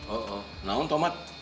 oh oh sekarang tomat